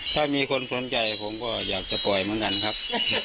ถ้ามีคนสนใจผมก็อยากจะปล่อยเหมือนกันครับ